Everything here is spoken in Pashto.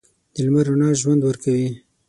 د لمر رڼا ژوند ورکوي.